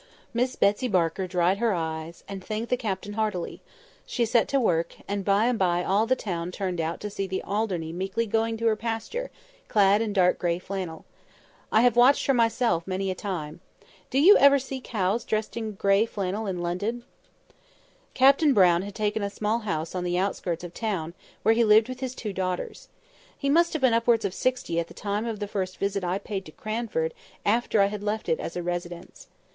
Miss Betsy Barker dried her eyes, and thanked the Captain heartily; she set to work, and by and by all the town turned out to see the Alderney meekly going to her pasture, clad in dark grey flannel. I have watched her myself many a time. Do you ever see cows dressed in grey flannel in London? [Picture: Meekly going to her pasture] Captain Brown had taken a small house on the outskirts of the town, where he lived with his two daughters. He must have been upwards of sixty at the time of the first visit I paid to Cranford after I had left it as a residence.